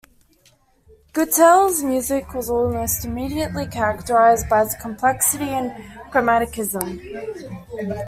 Guettel's music was almost immediately characterized by its complexity and chromaticism.